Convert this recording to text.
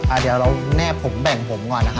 เดี๋ยวเราแนบผมแบ่งผมก่อนนะครับ